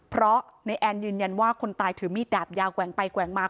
เพราะในแอนยืนยันว่าคนตายถือมีดดาบยาวแกว่งไปแกว่งมา